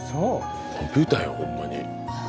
コンピューターやほんまに。